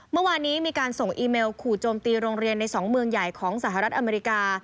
เมื่อวานนี้มีการส่งอีเมลขู่โจมตีโรงเรียนใน๒เมืองใหญ่ของสหรัฐอเมริกา